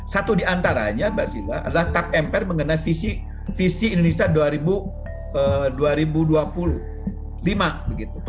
satu di antaranya basila adalah tap mpr mengenai visi indonesia dua ribu dua puluh lima